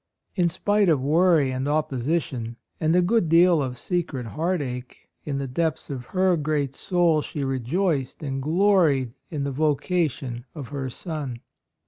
In spite of worry and opposition and a good deal of secret heartache, in the depths of her great soul she rejoiced and gloried in the vocation of her son.